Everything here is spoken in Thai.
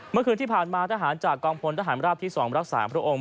เมื่อคืนที่ผ่านมาทหารจากกองพลทหารราบที่๒รักษาพระองค์